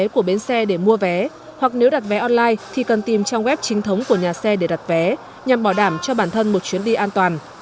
xe của bến xe để mua vé hoặc nếu đặt vé online thì cần tìm trong web chính thống của nhà xe để đặt vé nhằm bảo đảm cho bản thân một chuyến đi an toàn